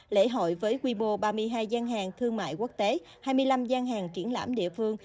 lễ hội với quy bồ ba mươi hai gian hàng thương mại quốc tế hai mươi năm gian hàng triển lãm địa phương